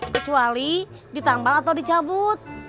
kecuali ditambal atau dicabut